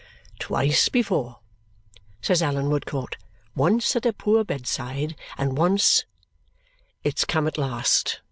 "Twice before," says Allan Woodcourt. "Once at a poor bedside, and once " "It's come at last!"